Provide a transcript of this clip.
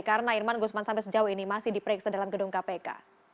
karena irman gusman sampai sejauh ini masih diperiksa dalam gedung kpk